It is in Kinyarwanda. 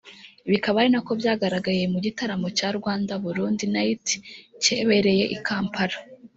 bikaba ari nako byagaragaye mu gitaramo cya Rwanda – Burundi Night cyebereye i Kampala